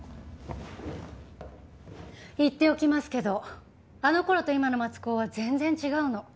言っておきますけどあの頃と今の松高は全然違うの。